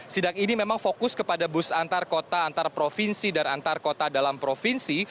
sidak ini memang fokus kepada bus antar kota antar provinsi dan antar kota dalam provinsi